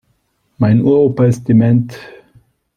Mein Uropa ist dement.